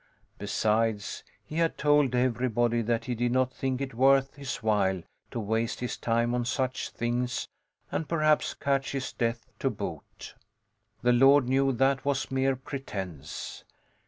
Besides, he had told everybody that he did not think it worth his while to waste his time on such things and perhaps catch his death to boot. The Lord knew that was mere pretence.